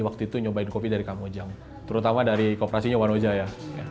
waktu itu nyobain kopi dari kamojang terutama dari kooperasinya wanojaya